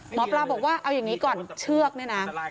หมอปลาบอกว่าเอาอย่างนี้ก่อนเชือกเนี่ยนะ